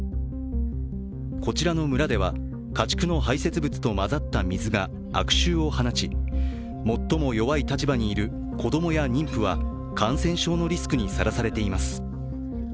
こちらの村では家畜の排せつ物と混ざった水が悪臭を放ち、最も弱い立場にいる子供や妊婦は感染症のリスクにさらされています。